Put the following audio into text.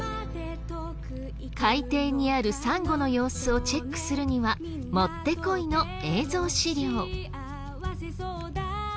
海底にあるサンゴの様子をチェックするにはもってこいの映像資料。